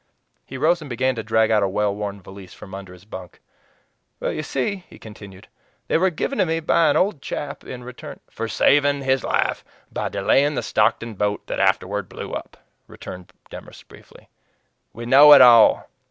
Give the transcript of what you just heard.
He rose and began to drag out a well worn valise from under his bunk. "You see," he continued, "they were given to me by an old chap in return " "For saving his life by delaying the Stockton boat that afterward blew up," returned Demorest briefly. "We know it all!